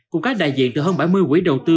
cùng các đại diện từ hơn bảy mươi quỹ đầu tư